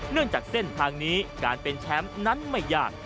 เนื่องจากเส้นทางนี้การเป็นแชมป์นั้นไม่ยาก